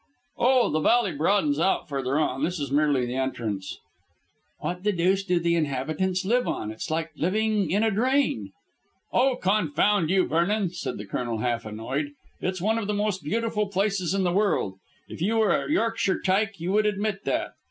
"Oh, the valley broadens out further on. This is merely the entrance." "What the deuce do the inhabitants live on? It's like living in a drain." "Oh, confound you, Vernon," said the Colonel half annoyed. "It's one of the most beautiful places in the world. If you were a Yorkshire tyke you would admit that.